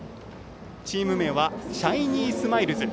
チーム名はシャイニースマイルズ。